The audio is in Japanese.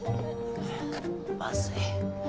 まずい。